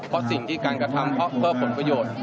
เพราะสิ่งที่การกระทำเพราะเพื่อผลประโยชน์